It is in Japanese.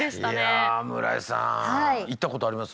いやぁ村井さん行ったことあります？